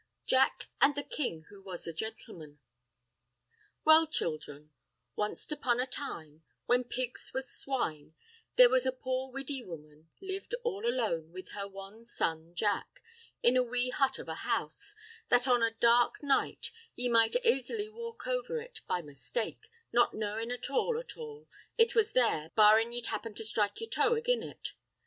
Jack and the King who was a Gentleman Well, children: wanst upon a time, when pigs was swine, there was a poor widdy woman lived all alone with her wan son Jack in a wee hut of a house, that on a dark night ye might aisily walk over it by mistake, not knowin' at all, at all, it was there, barrin' ye'd happen to strike yer toe agin' it.